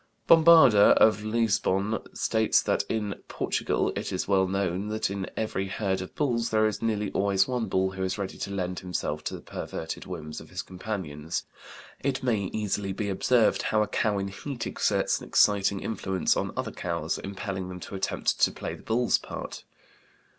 Bombarda of Lisbon states that in Portugal it is well known that in every herd of bulls there is nearly always one bull who is ready to lend himself to the perverted whims of his companions. It may easily be observed how a cow in heat exerts an exciting influence on other cows, impelling them to attempt to play the bull's part.